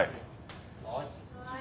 はい。